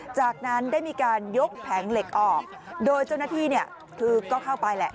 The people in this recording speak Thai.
จากนั้นได้มีการยกแผงเหล็กออกโดยเจ้าหน้าที่เนี่ยคือก็เข้าไปแหละ